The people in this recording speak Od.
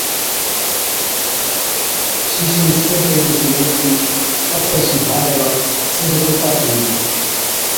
شِيشِي نُون سُٺي طريقي سُون لوڏتِي ڪپهئِي سُون ها دَوا سجي بُتا پر هڻا